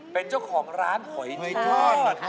เป็นเจ้าของร้านหอยหวยทอด